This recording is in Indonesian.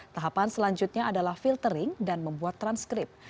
tahapan selanjutnya adalah filtering dan membuat transkrip